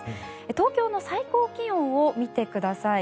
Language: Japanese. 東京の最高気温を見てください。